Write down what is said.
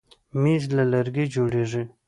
مېز له لرګي جوړېږي.